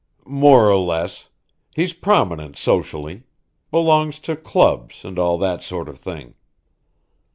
"More or less. He's prominent socially; belongs to clubs, and all that sort of thing.